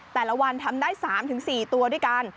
แต่ละวันทำได้๓๔ตัวด้วยกัน